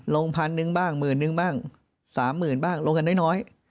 ลงหนึ่งบ้างมีมุลหนึ่งบ้างสามหมื่นบ้างลงกันไว้น้อย